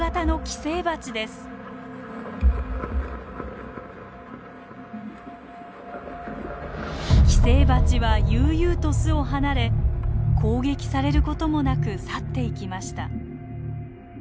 寄生バチは悠々と巣を離れ攻撃される事もなく去っていきました。